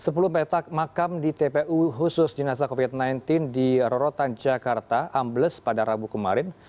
sepuluh petak makam di tpu khusus jenazah covid sembilan belas di rorotan jakarta ambles pada rabu kemarin